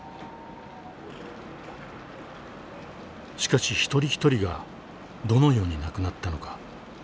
しかし一人一人がどのように亡くなったのか。